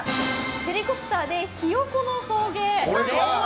ヘリコプターでヒヨコの送迎。